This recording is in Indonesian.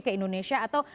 ke indonesia atau